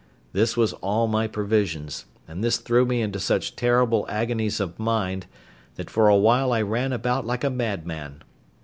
This was all my provisions; and this threw me into such terrible agonies of mind, that for a while I ran about like a madman.